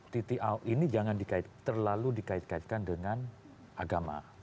titik ahok ini jangan terlalu dikait kaitkan dengan agama